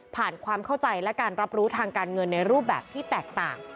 ความเข้าใจและการรับรู้ทางการเงินในรูปแบบที่แตกต่าง